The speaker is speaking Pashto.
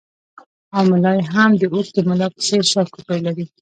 او ملا یې هم د اوښ د ملا په څېر شاکوپي لري